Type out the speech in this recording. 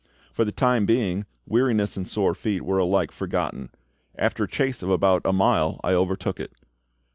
For the time being weariness and sore feet were alike forgotten. After a chase of about a mile I overtook it.